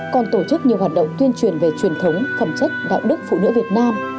còn tổ chức nhiều hoạt động tuyên truyền về truyền thống phẩm chất đạo đức phụ nữ việt nam